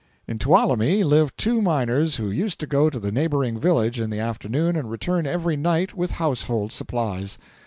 In Tuolumne lived two miners who used to go to the neighboring village in the afternoon and return every night with household supplies.